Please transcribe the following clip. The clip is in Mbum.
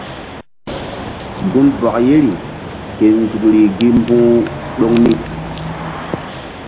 Gunbɔk yeri ke nzukri gi mbu̧h ɗoŋ ni.